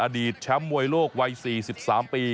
แชมป์มวยโลกวัย๔๓ปี